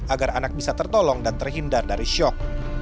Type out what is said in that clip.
agar anak bisa tertolong dan terhindar dari shock